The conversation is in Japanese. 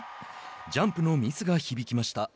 ジャンプのミスが響きました。